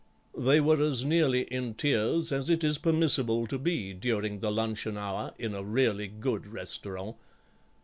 They were as nearly in tears as it is permissible to be during the luncheon hour in a really good restaurant.